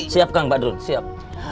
siap kak mbak dron siap